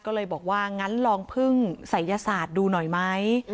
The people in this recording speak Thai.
ก็เลยบอกว่างั้นลองพึ่งศัยยศาสตร์ดูหน่อยไหม